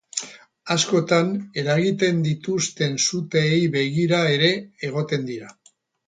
Askotan eragiten dituzten suteei begira ere egoten dira.